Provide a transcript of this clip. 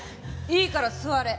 いいから座れ。